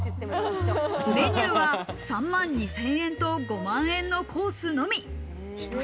メニューは３万２０００円と５万円のコースのみ。